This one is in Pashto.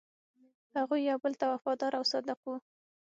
هغوی یو بل ته وفادار او صادق وو.